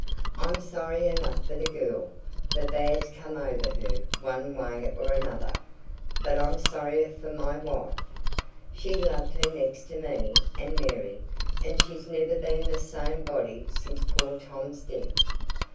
I'm sorry enough for the girl, for bad's come over her, one way or another, but I'm sorrier for my wife. She loved her next to me and Mary, and she's never been the same body since poor Tom's death.